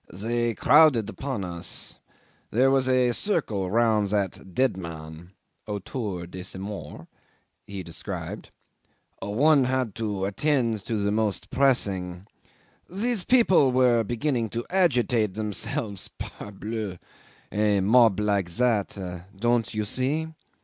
"They crowded upon us. There was a circle round that dead man (autour de ce mort)," he described. "One had to attend to the most pressing. These people were beginning to agitate themselves Parbleu! A mob like that don't you see?"